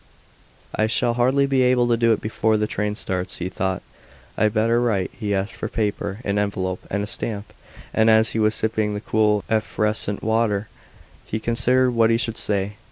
"I shall hardly be able to do it before the train starts," he thought; "I'd better write." He asked for paper, an envelope, and a stamp, and as he was sipping the cool, effervescent water he considered what he should say.